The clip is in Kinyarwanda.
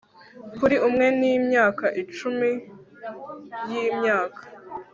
Kuri umwe ni imyaka icumi yimyaka